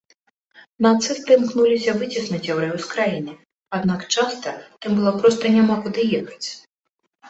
Нацысты імкнуліся выціснуць яўрэяў з краіны, аднак часта тым было проста няма куды ехаць.